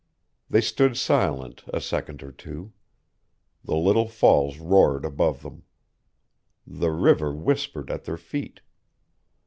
They stood silent a second or two. The little falls roared above them. The river whispered at their feet.